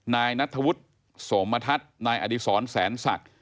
นายนัทธวุฒิโสมทัศน์นายอดีศรแสนศักดิ์